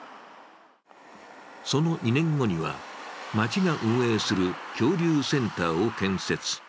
その２年後には町が運営する恐竜センターを建設。